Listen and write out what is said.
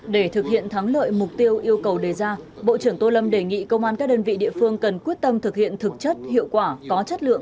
để thực hiện thắng lợi mục tiêu yêu cầu đề ra bộ trưởng tô lâm đề nghị công an các đơn vị địa phương cần quyết tâm thực hiện thực chất hiệu quả có chất lượng